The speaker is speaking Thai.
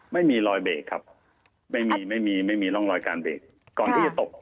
ไม่มีรอยเบรกครับไม่มีร่องรอยการเบรก